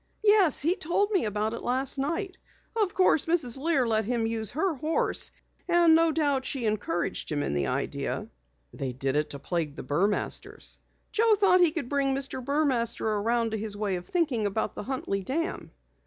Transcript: "Yes, he told me about it last night. Of course Mrs. Lear let him use her horse, and no doubt she encouraged him in the idea." "They did it to plague the Burmasters?" "Joe thought he could bring Mr. Burmaster around to his way of thinking about the Huntley Dam."